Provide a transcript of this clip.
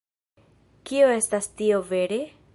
Kio estas tio, vere?